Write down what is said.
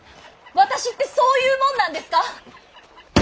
私ってそういうもんなんですか。